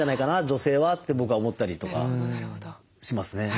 女性はって僕は思ったりとかしますね。